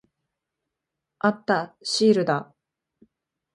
あった。シールだ。